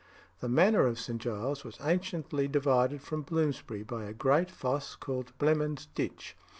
The manor of St. Giles was anciently divided from Bloomsbury by a great fosse called Blemund's Ditch.